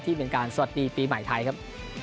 เป็นการสวัสดีปีใหม่ไทยครับ